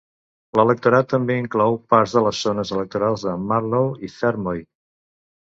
L'electorat també inclou parts de les zones electorals de Mallow i Fermoy.